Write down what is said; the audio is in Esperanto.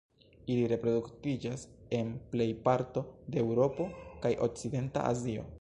Ili reproduktiĝas en plej parto de Eŭropo kaj okcidenta Azio.